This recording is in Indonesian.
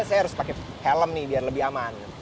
saya harus pakai helm nih biar lebih aman